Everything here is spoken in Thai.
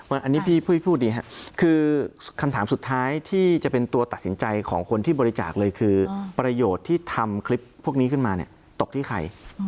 อันนี้พี่พูดดีครับคือคำถามสุดท้ายที่จะเป็นตัวตัดสินใจของคนที่บริจาคเลยคือประโยชน์ที่ทำคลิปพวกนี้ขึ้นมาเนี่ยตกที่ใคร